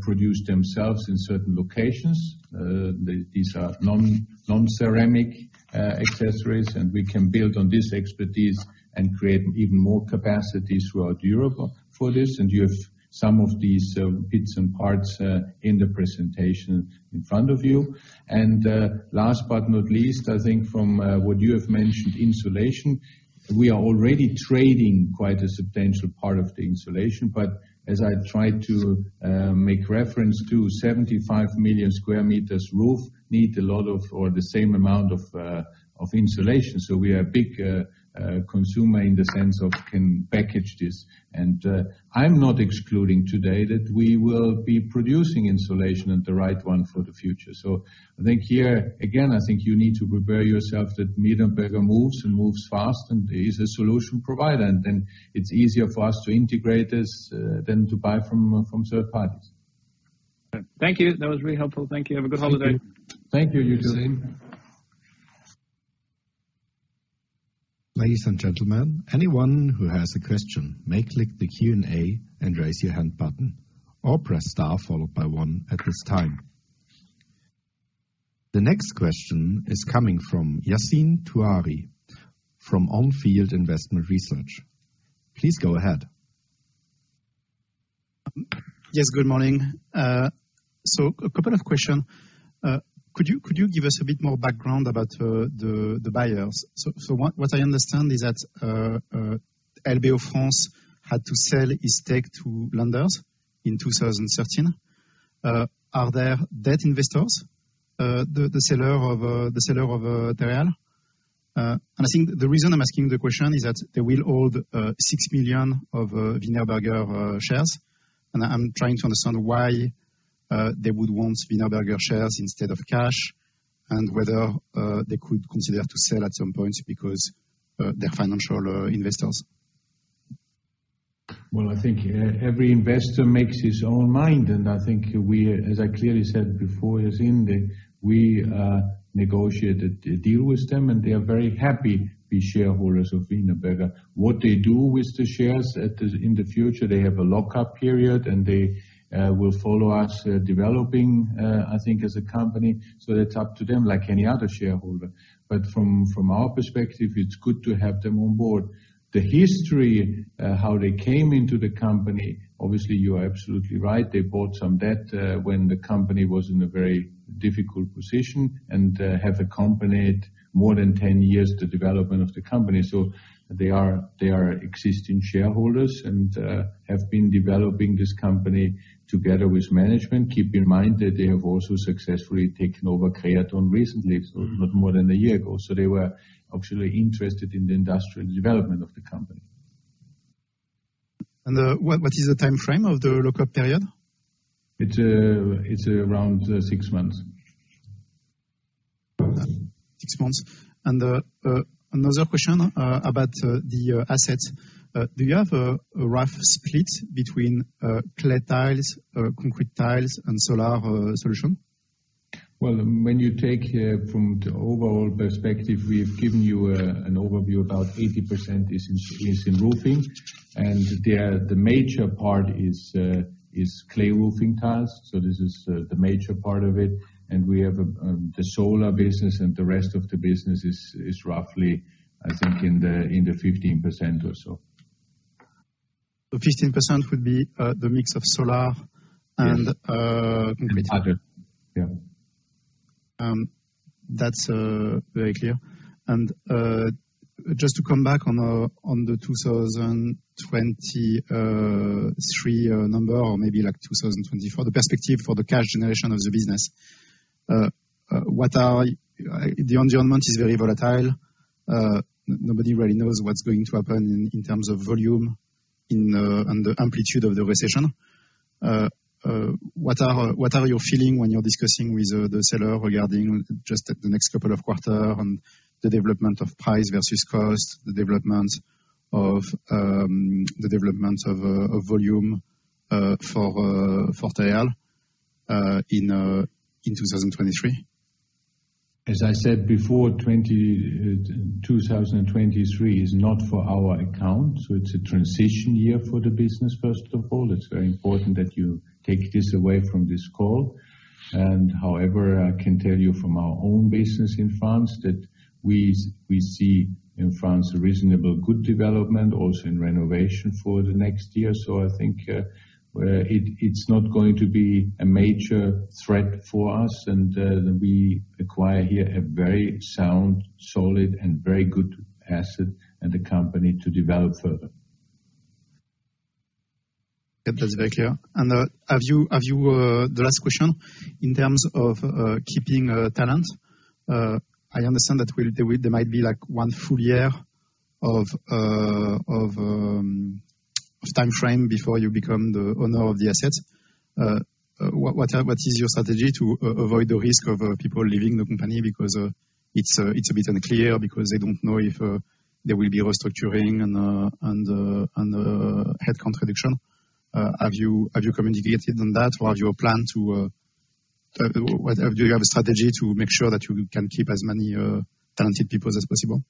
produce themselves in certain locations. These are non-ceramic accessories, and we can build on this expertise and create even more capacity throughout Europe for this. You have some of these bits and parts in the presentation in front of you. Last but not least, I think from what you have mentioned, insulation. We are already trading quite a substantial part of the insulation, but as I tried to make reference to 75 million square meters roof need a lot of, or the same amount of, insulation. We are a big consumer in the sense of can package this. I'm not excluding today that we will be producing insulation and the right one for the future. I think here, again, I think you need to prepare yourself that Wienerberger moves and moves fast and is a solution provider, and then it's easier for us to integrate this than to buy from third parties. Thank you. That was really helpful. Thank you. Have a good holiday. Thank you. You too. Ladies and gentlemen, anyone who has a question may click the Q&A and Raise Your Hand button or press star followed by one at this time. The next question is coming from Yassine Touahri from On Field Investment Research. Please go ahead. Yes, good morning. A couple of question. Could you give us a bit more background about the buyers? What I understand is that LBO France had to sell its stake to lenders in 2013. Are there debt investors, the seller of Terreal? I think the reason I'm asking the question is that they will hold 6 million of Wienerberger shares, and I'm trying to understand why they would want Wienerberger shares instead of cash, and whether they could consider to sell at some point because they're financial investors. I think every investor makes his own mind, and I think we, as I clearly said before, Yassine, that we negotiated a deal with them, and they are very happy to be shareholders of Wienerberger. What they do with the shares in the future, they have a lock-up period, and they will follow us developing, I think, as a company. That's up to them, like any other shareholder. From our perspective, it's good to have them on board. The history, how they came into the company, obviously you are absolutely right. They bought some debt when the company was in a very difficult position and have accompanied more than 10 years the development of the company. They are existing shareholders and have been developing this company together with management. Keep in mind that they have also successfully taken over CREATON recently, not more than a year ago. They were actually interested in the industrial development of the company. What is the timeframe of the lock-up period? It's around six months. Six months. Another question about the assets. Do you have a rough split between clay tiles, concrete tiles, and solar solution? Well, when you take from the overall perspective, we've given you an overview. About 80% is in roofing, the major part is clay roofing tiles, so this is the major part of it. We have the solar business and the rest of the business is roughly, I think, in the 15% or so. 15% would be the mix of solar and. Yes. -concrete. Others. Yeah. That's very clear. Just to come back on on the 2023 number or maybe like 2024, the perspective for the cash generation of the business. The environment is very volatile. Nobody really knows what's going to happen in terms of volume in the, and the amplitude of the recession. What are your feeling when you're discussing with the seller regarding just the next couple of quarter and the development of price versus cost, the development of volume for Terreal in 2023? As I said before, 2023 is not for our account, so it's a transition year for the business, first of all. It's very important that you take this away from this call. However, I can tell you from our own business in France that we see in France a reasonable good development, also in renovation for the next year. I think it's not going to be a major threat for us. We acquire here a very sound, solid, and very good asset and a company to develop further. Okay. That's very clear. The last question, in terms of keeping talent. I understand that there might be like 1 full year of timeframe before you become the owner of the assets. What is your strategy to avoid the risk of people leaving the company because it's a bit unclear because they don't know if there will be restructuring and headcount reduction. Have you communicated on that, or do you have a plan to make sure that you can keep as many talented people as possible?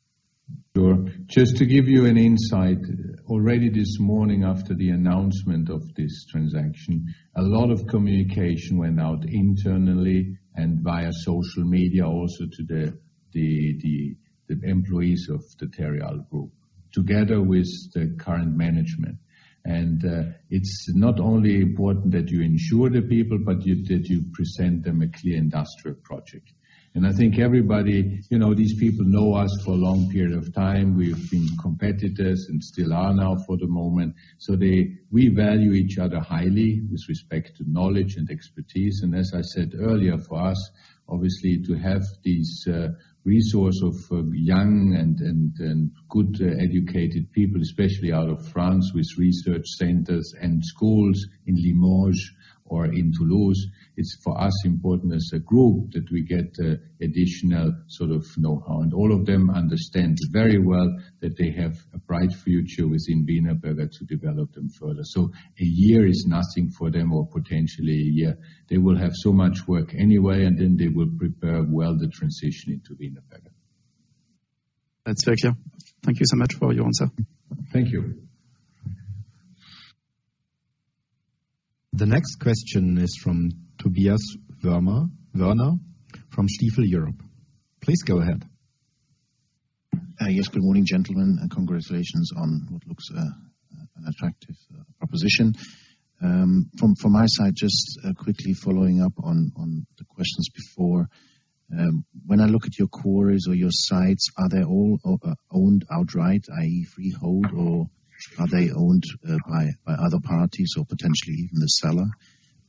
Sure. Just to give you an insight, already this morning after the announcement of this transaction, a lot of communication went out internally and via social media also to the employees of the Terreal Group, together with the current management. It's not only important that you ensure the people, but that you present them a clear industrial project. I think everybody, you know, these people know us for a long period of time. We've been competitors and still are now for the moment. We value each other highly with respect to knowledge and expertise. As I said earlier, for us, obviously, to have these resource of young and good educated people, especially out of France, with research centers and schools in Limoges or in Toulouse, it's for us important as a group that we get additional sort of know-how. All of them understand very well that they have a bright future within Wienerberger to develop them further. A year is nothing for them, or potentially a year. They will have so much work anyway, and then they will prepare well the transition into Wienerberger. That's very clear. Thank you so much for your answer. Thank you. The next question is from Tobias Woerner from Stifel Europe. Please go ahead. Yes. Good morning, gentlemen, and congratulations on what looks an attractive proposition. From my side, just quickly following up on the questions before. When I look at your quarries or your sites, are they all owned outright, i.e., freehold, or are they owned by other parties or potentially even the seller?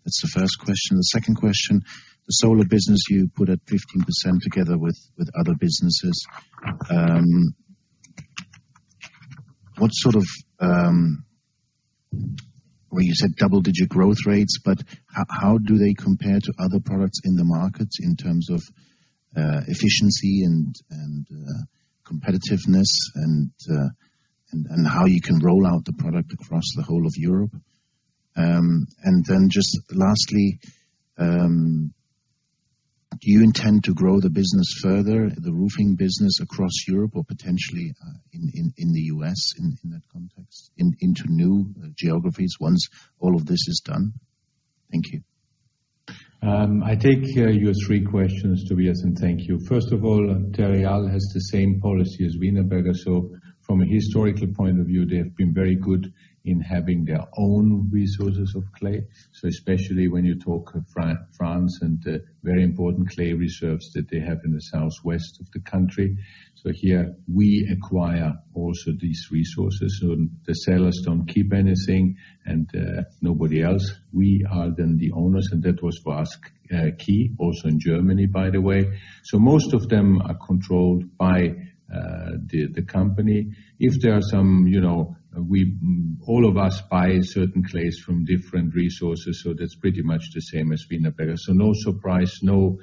That's the first question. The second question, the solar business you put at 15% together with other businesses. Well, you said double-digit growth rates, but how do they compare to other products in the markets in terms of efficiency and competitiveness and how you can roll out the product across the whole of Europe? Just lastly, do you intend to grow the business further, the roofing business across Europe or potentially in the U.S. in that context, into new geographies once all of this is done? Thank you. I take your three questions, Tobias, thank you. First of all, Terreal has the same policy as Wienerberger. From a historical point of view, they have been very good in having their own resources of clay. Especially when you talk France and the very important clay reserves that they have in the southwest of the country. Here we acquire also these resources so the sellers don't keep anything, nobody else. We are then the owners. That was for us key, also in Germany, by the way. Most of them are controlled by the company. If there are some, you know, all of us buy certain clays from different resources. That's pretty much the same as Wienerberger. No surprise, no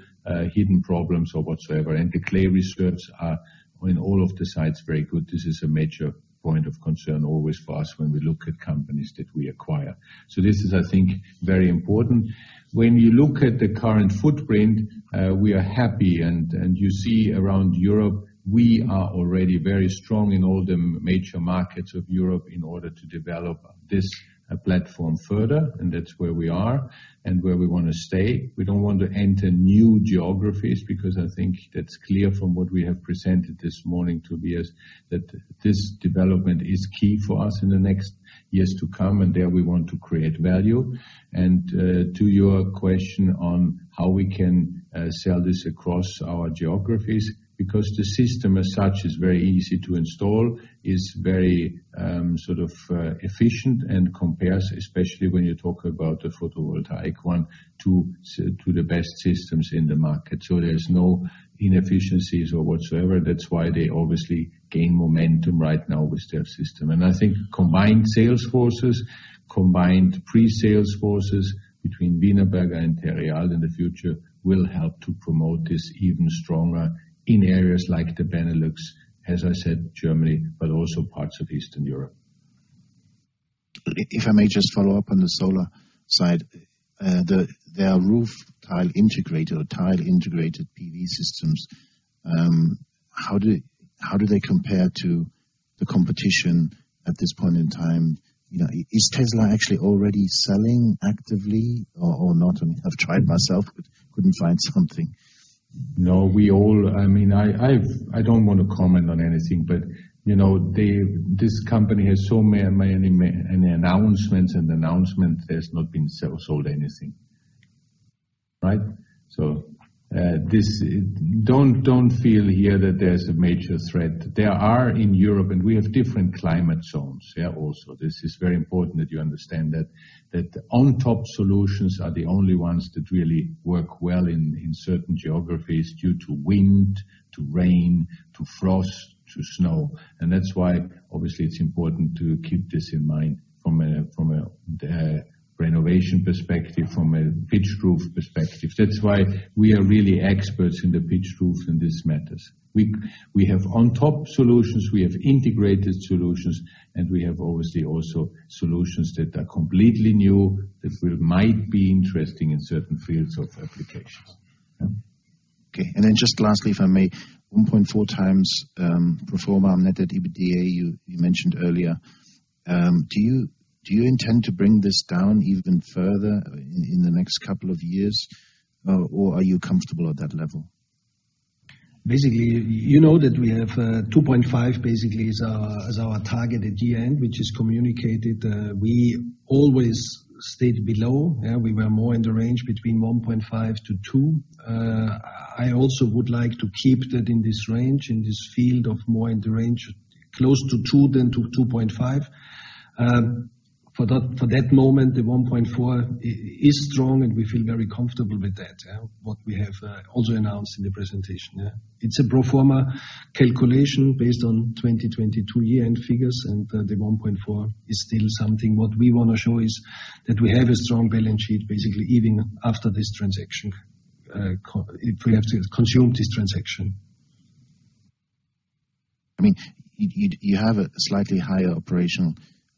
hidden problems or whatsoever. The clay reserves are on all of the sites very good. This is a major point of concern always for us when we look at companies that we acquire. This is, I think, very important. When you look at the current footprint, we are happy. You see around Europe, we are already very strong in all the major markets of Europe in order to develop this platform further, and that's where we are and where we wanna stay. We don't want to enter new geographies because I think that's clear from what we have presented this morning, Tobias, that this development is key for us in the next years to come, and there we want to create value. To your question on how we can sell this across our geographies, because the system as such is very easy to install, it's very, sort of, efficient and compares, especially when you talk about the photovoltaic one, to the best systems in the market. There's no inefficiencies or whatsoever. That's why they obviously gain momentum right now with their system. I think combined sales forces, combined pre-sales forces between Wienerberger and Terreal in the future will help to promote this even stronger in areas like the Benelux, as I said, Germany, but also parts of Eastern Europe. If I may just follow up on the solar side. Their roof tile integrator or tile integrated PV systems, how do they compare to the competition at this point in time? You know, is Tesla actually already selling actively or not? I mean, I've tried myself but couldn't find something. No, I mean, I don't wanna comment on anything. You know, this company has so many, many, many announcements and announcements, there's not been so-sold anything, right? Don't, don't feel here that there's a major threat. There are in Europe, and we have different climate zones there also. This is very important that you understand that on-top solutions are the only ones that really work well in certain geographies due to wind, to rain, to frost, to snow. That's why obviously it's important to keep this in mind from a, from a renovation perspective, from a pitched roof perspective. That's why we are really experts in the pitched roof in these matters. We have on-top solutions, we have integrated solutions, and we have obviously also solutions that are completely new that will might be interesting in certain fields of applications. Just lastly, if I may, 1.4x pro forma net debt to EBITDA you mentioned earlier. Do you intend to bring this down even further in the next couple of years, or are you comfortable at that level? Basically, you know that we have 2.5 basically is our target at year-end, which is communicated. We always stayed below. We were more in the range between 1.5-2. I also would like to keep that in this range, in this field of more in the range close to 2 than to 2.5. For that moment, the 1.4 is strong, and we feel very comfortable with that, yeah, what we have also announced in the presentation, yeah. It's a pro forma calculation based on 2022 year-end figures. The 1.4 is still something. What we wanna show is that we have a strong balance sheet basically even after this transaction, if we have to consume this transaction. I mean, you have a slightly higher operational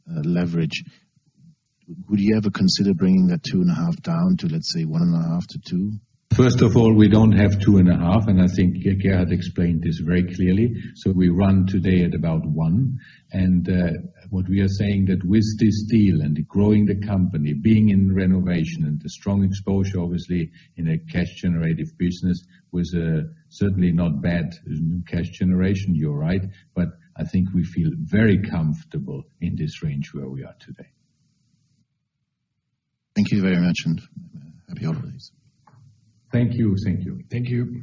leverage. Would you ever consider bringing that 2.5 down to, let's say, 1.5-2? First of all, we don't have two and a half, and I think Gerhard explained this very clearly. We run today at about one. What we are saying that with this deal and growing the company, being in renovation and the strong exposure obviously in a cash generative business with certainly not bad cash generation, you are right. I think we feel very comfortable in this range where we are today. Thank you very much, and happy holidays. Thank you. Thank you. Thank you.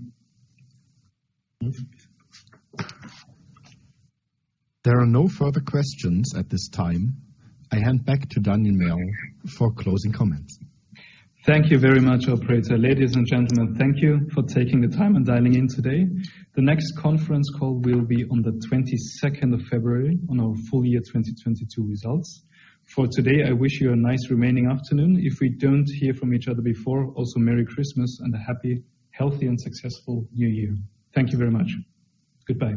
There are no further questions at this time. I hand back to Daniel Merl for closing comments. Thank you very much, operator. Ladies and gentlemen, thank you for taking the time and dialing in today. The next conference call will be on the 22nd of February on our full year 2022 results. For today, I wish you a nice remaining afternoon. If we don't hear from each other before, also Merry Christmas and a happy, healthy, and successful new year. Thank you very much. Goodbye.